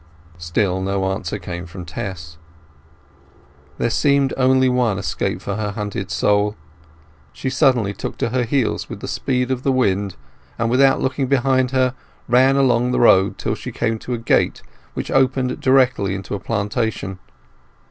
Still no answer came from Tess. There seemed only one escape for her hunted soul. She suddenly took to her heels with the speed of the wind, and, without looking behind her, ran along the road till she came to a gate which opened directly into a plantation.